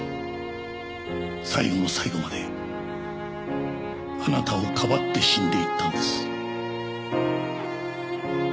最後の最後まであなたをかばって死んでいったんです。